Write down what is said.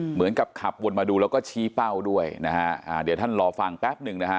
เหมือนกับขับวนมาดูแล้วก็ชี้เป้าด้วยนะฮะอ่าเดี๋ยวท่านรอฟังแป๊บหนึ่งนะฮะ